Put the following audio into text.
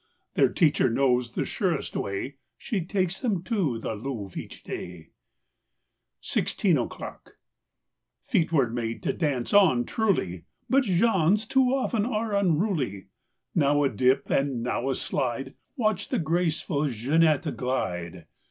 Their teacher knows the surest way: She takes them to the Louvre each day. 37 i FIFTEEN O'CLOCK 39 SIXTEEN O'CLOCK F eet were made to dance on, truly; But Jean's too often are unruly. Now a dip and now a slide— Watch the graceful Jeanette glide!